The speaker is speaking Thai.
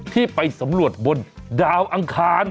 ที่ไปสำรวจบนดาวอังคาร